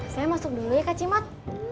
saya masuk dulu ya kak cimat